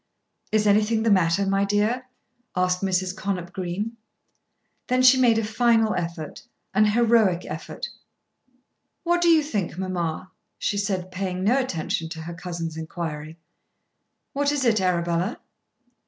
"Is anything the matter, my dear?" asked Mrs. Connop Green. Then she made a final effort, an heroic effort. "What do you think, mamma?" she said, paying no attention to her cousin's inquiry. "What is it, Arabella?"